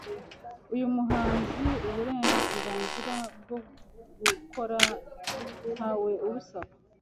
uyu muhanzi uburenganzira bwo gukora ntawe abusaba